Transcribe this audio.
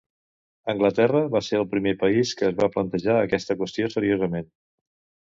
Anglaterra va ser el primer país que es va plantejar aquesta qüestió seriosament.